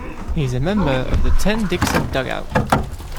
He is a member of the Tenn-Dixon Dugout.